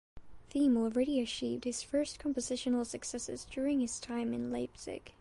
Thieme already achieved his first compositional successes during his time in Leipzig.